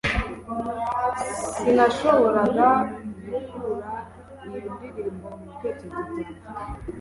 sinashoboraga gukura iyo ndirimbo mubitekerezo byanjye